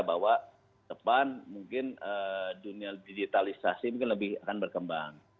bahwa depan mungkin dunia digitalisasi mungkin lebih akan berkembang